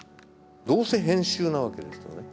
どうせ編集なわけですからね。